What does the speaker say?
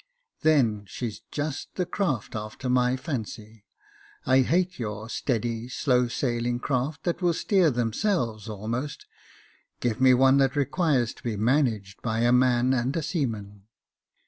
" Then she's just^ the craft after my fancy. I hate your steady, slow sailing craft, that will steer themselves, almost ; give me one that requires to be managed by a man and a seaman."